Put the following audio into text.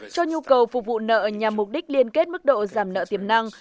cho nhu cầu phục vụ nợ nhằm mục đích liên kết mức độ giảm nợ tiềm năng